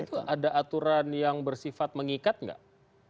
tapi itu ada aturan yang bersifat mengingatkan